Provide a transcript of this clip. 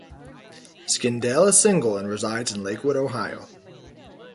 Skindell is single and resides in Lakewood, Ohio.